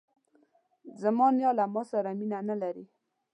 زما نیا له ماسره مینه نه لري.